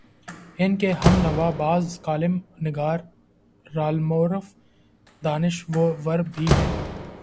ان کے ہم نوا بعض کالم نگار المعروف دانش ور بھی ہیں۔